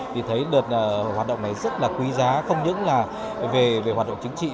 thì thấy đợt hoạt động này rất là quý giá không những là về hoạt động chính trị